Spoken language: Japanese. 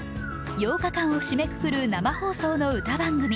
８日間を締めくくる生放送の歌番組。